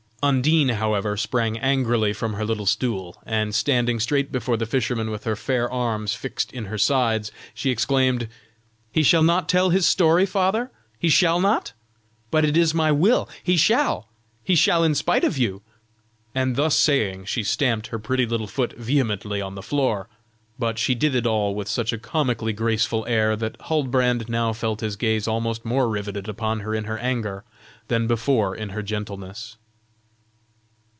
Undine, however, sprang angrily from her little stool, and standing straight before the fisherman with her fair arms fixed in her sides, she exclaimed: "He shall not tell his story, father? He shall not? but it is my will. He shall! He shall in spite of you!" and thus saying she stamped her pretty little foot vehemently on the floor, but she did it all with such a comically graceful air that Huldbrand now felt his gaze almost more riveted upon her in her anger than before in her gentleness.